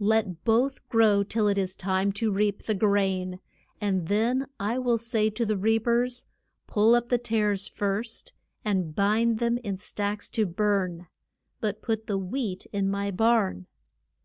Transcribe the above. Let both grow till it is time to reap the grain; and then I will say to the reap ers, Pull up the tares first and bind them in stacks to burn. But put the wheat in my barn.